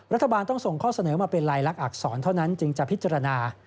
รัฐบาลต้องส่งข้อเสนอมาเป็นลายลักษณอักษรเท่านั้นจึงจะพิจารณา